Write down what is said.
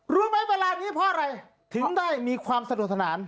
รู้ไหมเวลานี้เพราะอะไรถึงได้มีความสนุกสนาน